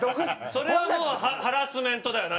それはもうハラスメントだよ何かの。